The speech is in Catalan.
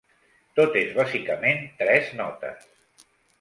Tot és bàsicament tres notes!